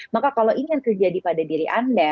maka kalau ini yang terjadi pada diri anda